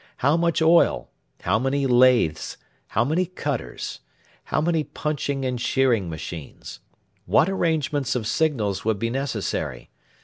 How much oil? How many lathes? How many cutters? How many punching and shearing machines? What arrangements of signals would be necessary?